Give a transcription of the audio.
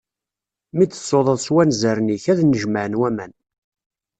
Mi d-tṣuḍeḍ s wanzaren-ik, ad nnejmaɛen waman.